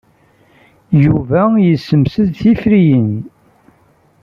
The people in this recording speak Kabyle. Yuba yessemsed tiferyin.